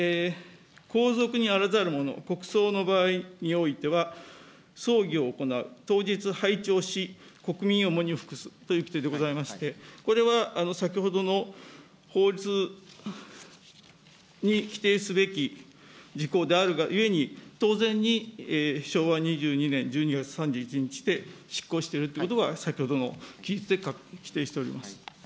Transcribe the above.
皇族にあらざる者、国葬の場合においては、葬儀を行う、当日、配置をし、国民を喪に服す。という規定でございまして、これは先ほどの法律に規定すべき事項であるがゆえに、当然に昭和２２年１２月３１日で失効しているということが、先ほどの記述で規定しております。